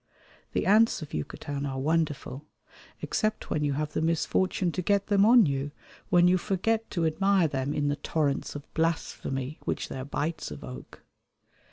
The ants of Yucatan are wonderful, except when you have the misfortune to get them on you, when you forget to admire them in the torrents of blasphemy which their bites evoke.